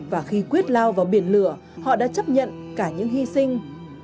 và khi quyết lao vào biển lửa họ đã chấp nhận cả những hy sinh